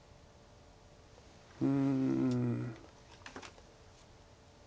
うん。